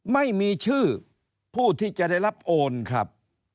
ไม่มีชื่อผู้ที่จะได้รับโอนครับ